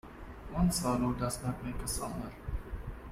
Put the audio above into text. One swallow does not make a summer.